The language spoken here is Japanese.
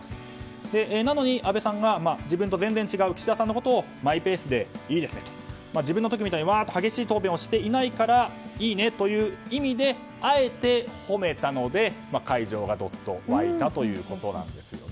なのに、安倍さんが自分と全然違う岸田さんをマイペースでいいですねと。自分の時みたく激しい答弁をしていないからいいねという意味であえて褒めたので会場がどっと沸いたということなんです。